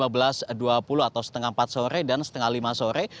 pukul dua puluh atau setengah empat sore dan setengah lima sore